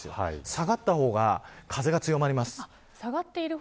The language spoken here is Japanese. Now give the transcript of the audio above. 下がった方が風が強まります。